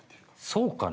そうかな？